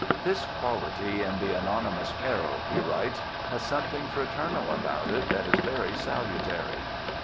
"This equality in the anonymous peril," he writes, " has something fraternal about it that is very salutary."